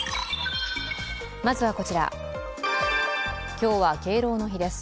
今日は敬老の日です。